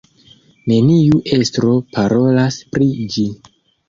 Neniu estro parolas pri ĝi.